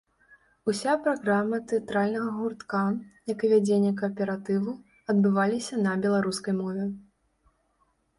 Уся праграма тэатральнага гуртка, як і вядзенне кааператыву, адбываліся на беларускай мове.